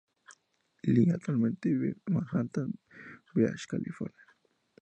Lee actualmente vive en Manhattan Beach, California.